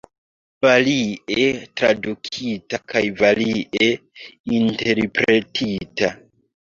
Varie tradukita kaj varie interpretita.